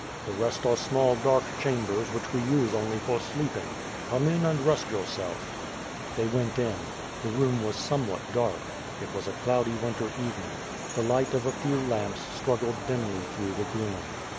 The rest are small dark chambers which we use only for sleeping. Come in and rest yourself." They went in. The room was somewhat dark. It was a cloudy winter evening. The li^dit of a few lamps struggles! dimly through the gloom.